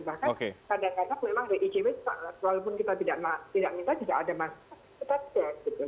bahkan kadang kadang memang dari ijb walaupun kita tidak minta juga ada masukan tetap check gitu